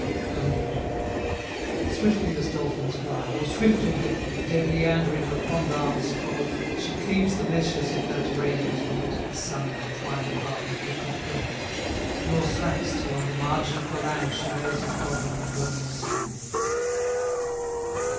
C. Swiftly as dolphins glide, or swifter yet, With dead Leander in her fond arms' fold, She cleaves the meshes of that radiant net The sun hath twined above of liquid gold, Nor slacks till on the margin of the land She lays his body on the glowing sand.